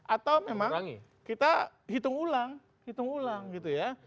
atau memang kita hitung ulang hitung ulang gitu ya